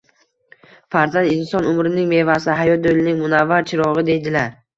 Farzand inson umrining mevasi, hayot yo`lining munavvar chirog`i deydilar